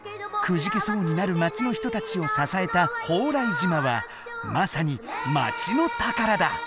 くじけそうになる町の人たちをささえた莱島はまさに町の宝だ。